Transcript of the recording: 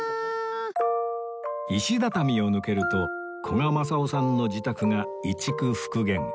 石畳を抜けると古賀政男さんの自宅が移築復元